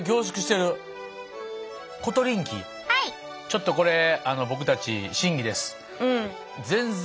ちょっとこれ僕たち審議です。